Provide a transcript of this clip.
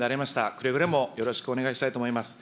くれぐれもよろしくお願いしたいと思います。